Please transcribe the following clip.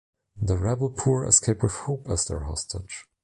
The rebel poor escape with Hope as their hostage.